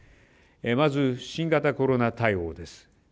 まず、新型コロナ対応です。